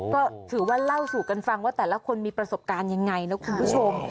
ก็ถือว่าเล่าสู่กันฟังว่าแต่ละคนมีประสบการณ์ยังไงนะคุณผู้ชม